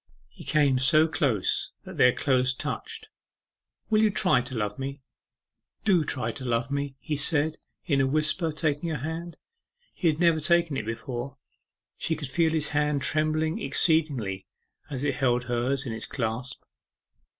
He came so close that their clothes touched. 'Will you try to love me? Do try to love me!' he said, in a whisper, taking her hand. He had never taken it before. She could feel his hand trembling exceedingly as it held hers in its clasp.